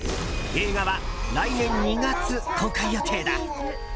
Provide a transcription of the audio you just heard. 映画は来年２月公開予定だ。